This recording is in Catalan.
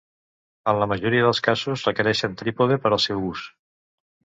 En la majoria dels casos requereixen trípode per al seu ús.